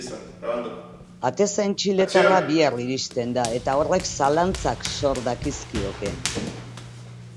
Atezain txiletarra bihar iristen da eta horrek zalantzak sor dakizkioke.